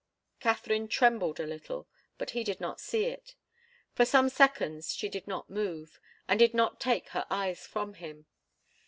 Katharine trembled a little, but he did not see it. For some seconds she did not move, and did not take her eyes from him.